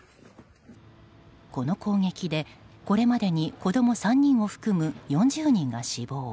この攻撃で、これまでに子供３人を含む４０人が死亡。